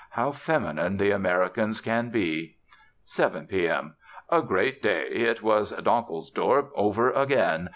How feminine the Americans can be. 7 P. M. A great day. It was Donkelsdorp over again.